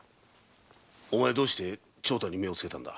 お前どうして長太に目を付けたんだ？